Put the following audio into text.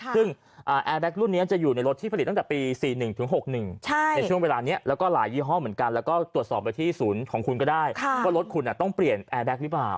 ซึ่งแอร์แก๊กรุ่นนี้จะอยู่ในรถที่ผลิตตั้งแต่ปี๔๑๖๑ในช่วงเวลานี้แล้วก็หลายยี่ห้อเหมือนกันแล้วก็ตรวจสอบไปที่ศูนย์ของคุณก็ได้ว่ารถคุณต้องเปลี่ยนแอร์แก๊กหรือเปล่า